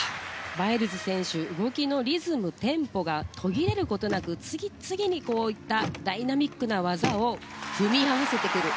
バイルズ選手は動きのリズム、テンポが途切れることなく次々にダイナミックな技を組み合わせてくる。